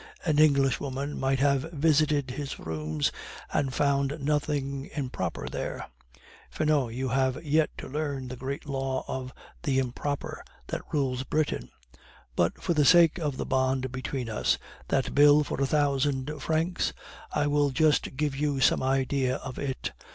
An Englishwoman might have visited his rooms and found nothing 'improper' there. Finot, you have yet to learn the great law of the 'Improper' that rules Britain. But, for the sake of the bond between us that bill for a thousand francs I will just give you some idea of it.